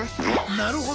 なるほど。